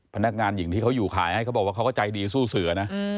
พนักงานหญิงที่เขาอยู่ขายให้เขาบอกว่าเขาก็ใจดีสู้เสือนะ